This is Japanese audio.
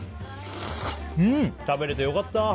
食べれて良かった。